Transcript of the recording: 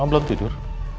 kamu belum tidur